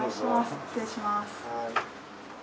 失礼します。